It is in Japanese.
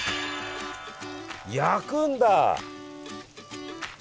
焼くんだ！